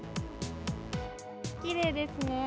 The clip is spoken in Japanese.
きれいですね。